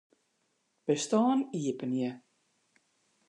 Bestân iepenje.